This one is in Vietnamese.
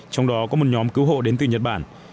trong đó có một nhóm cứu hộ đến từ nhật bản